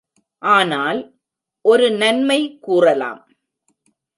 ஆனால் ஒரு நன்மை கூறலாம்!